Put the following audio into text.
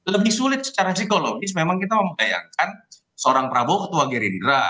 lebih sulit secara psikologis memang kita membayangkan seorang prabowo ketua gerindra